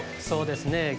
そうですね